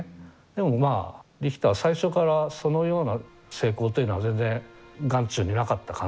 でもまあリヒター最初からそのような成功というのは全然眼中になかった感じですよね。